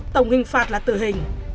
tổng hình phạt là tử hình